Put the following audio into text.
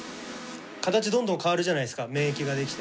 形どんどん変わるじゃないですか免疫ができて。